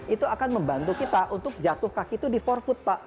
itu akan membantu kita untuk jatuh kaki itu di forfood pak